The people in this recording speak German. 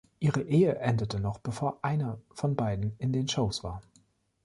Ihre Ehe endete noch bevor einer von beiden in den Shows war.